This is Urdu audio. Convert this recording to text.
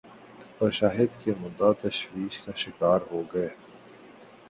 اور شاہد کے مداح تشویش کا شکار ہوگئے۔